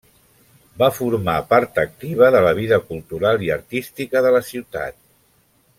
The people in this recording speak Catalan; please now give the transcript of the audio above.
Va formar part activa de la vida cultural i artística de la ciutat.